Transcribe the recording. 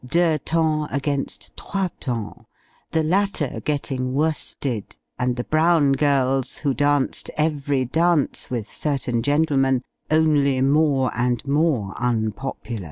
deux temps against trois temps the latter getting worsted; and the Brown girls, who danced every dance, with certain gentlemen, only, more and more unpopular.